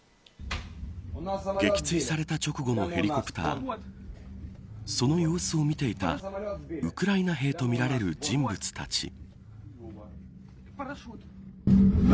撃墜された直後のヘリコプターその様子を見ていたウクライナ兵とみられる人物たち。